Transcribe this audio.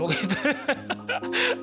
ハハハハ！